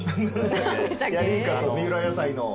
ヤリイカと三浦野菜の。